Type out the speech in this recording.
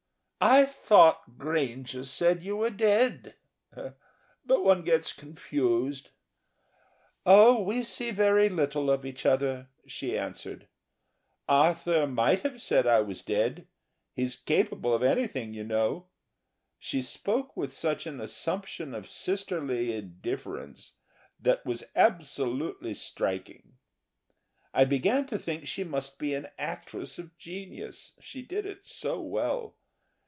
"I thought Granger said you were dead ... but one gets confused...." "Oh, we see very little of each other," she answered. "Arthur might have said I was dead he's capable of anything, you know." She spoke with an assumption of sisterly indifference that was absolutely striking. I began to think she must be an actress of genius, she did it so well.